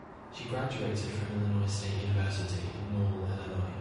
She graduated from Illinois State University in Normal, Illinois.